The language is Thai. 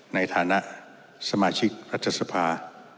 ในฐานะสมาชิกรัฐสภา